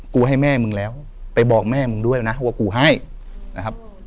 ให้แม่มึงแล้วไปบอกแม่มึงด้วยนะว่ากูให้นะครับ